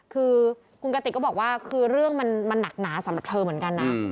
คือคุณกติกก็บอกว่าคือเรื่องมันหนักหนาสำหรับเธอเหมือนกันนะ